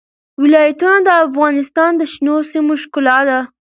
ولایتونه د افغانستان د شنو سیمو ښکلا ده.